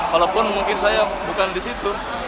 walaupun mungkin saya bukan di situ